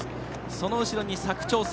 その後ろに佐久長聖。